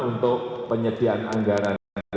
untuk memperoleh penggunaan anggaran secara cepat